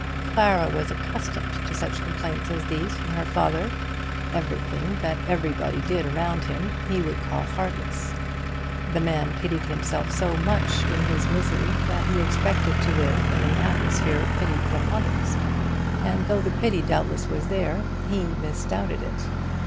Clara was accustomed to such complaints as these from her father. Everything that everybody did around him he would call heartless. The man pitied himself so much in his own misery, that he expected to live in an atmosphere of pity from others; and though the pity doubtless was there, he misdoubted it.